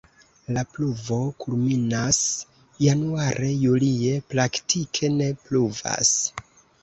La pluvo kulminas januare, julie praktike ne pluvas.